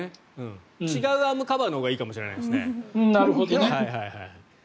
違うアームカバーのほうがいいかもしれないですね。